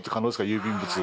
郵便物。